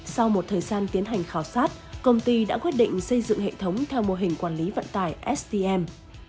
sau một thời gian tiến hành khảo sát công ty đã quyết định xây dựng hệ thống theo mô hình quản lý vận tải stm